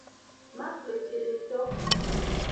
Maxwle cedeto.